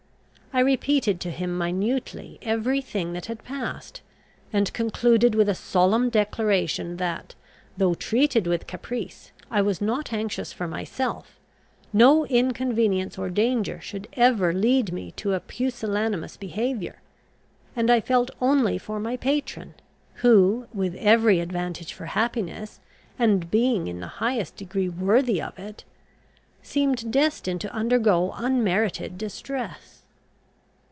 I repeated to him minutely every thing that had passed, and concluded with a solemn declaration that, though treated with caprice, I was not anxious for myself; no inconvenience or danger should ever lead me to a pusillanimous behaviour; and I felt only for my patron, who, with every advantage for happiness, and being in the highest degree worthy of it, seemed destined to undergo unmerited distress.